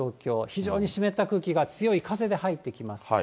非常に湿った空気が強い風で入ってきます。